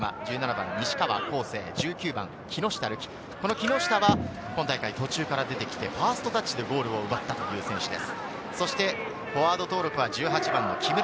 木下は今大会、途中から出てきて、ファーストタッチでゴールを奪ったという選手です。